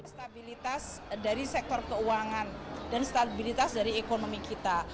stabilitas dari sektor keuangan dan stabilitas dari ekonomi kita